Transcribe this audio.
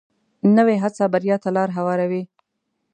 نوې هڅه بریا ته لار هواروي